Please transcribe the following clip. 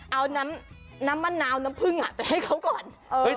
เอาน้ำมะนาวน้ำผึ้งไปให้เขาก่อน